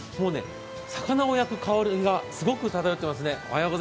魚を焼く香りがすごく漂っていますね。